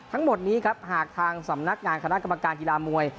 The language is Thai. ทั้งหมดนี้ครับหากทางสำนักงานคณะกรรมการกีฬามวย